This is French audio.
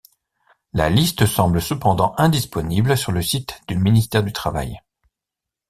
La liste semble cependant indisponible sur le site du Ministère du travail.